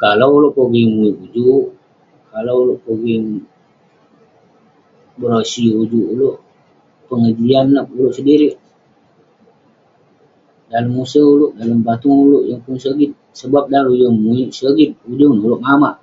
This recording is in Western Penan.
Kalau ulouk pogeng muwik ujuk, kalau ulouk pogeng berosi ujuk ulouk..pengejian neh, ulouk sedirik..dalem use ulouk, dalem batung ulouk..yeng pun sogit, sebab dan ulouk yeng muwik, sogit..ujung neh ulouk mamak